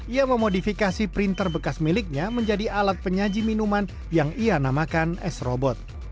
ia memodifikasi printer bekas miliknya menjadi alat penyaji minuman yang ia namakan s robot